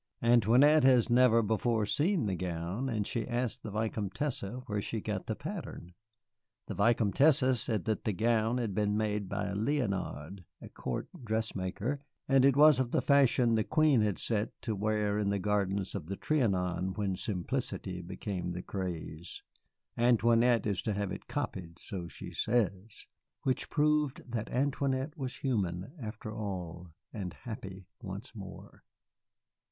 "Antoinette had never before seen the gown, and she asked the Vicomtesse where she got the pattern. The Vicomtesse said that the gown had been made by Léonard, a court dressmaker, and it was of the fashion the Queen had set to wear in the gardens of the Trianon when simplicity became the craze. Antoinette is to have it copied, so she says." Which proved that Antoinette was human, after all, and happy once more.